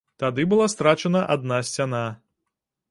Тады была страчана адна сцяна.